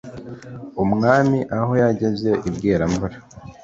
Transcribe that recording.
umwami aho yageze i bweramvura,